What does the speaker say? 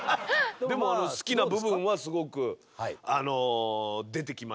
でも好きな部分はすごく出てきましたんで。